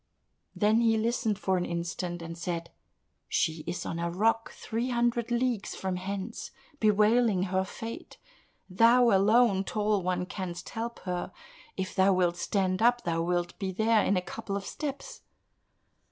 Then he listened for an instant and said, "She is on a rock, three hundred leagues from hence, bewailing her fate. Thou alone, Tall One, canst help her; if thou wilt stand up, thou wilt be there in a couple of steps."